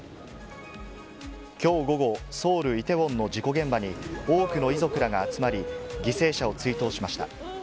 きょう午後、ソウル・イテウォンの事故現場に、多くの遺族らが集まり、犠牲者を追悼しました。